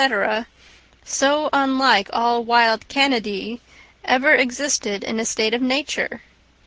—so unlike all wild Canidæ—ever existed in a state of nature?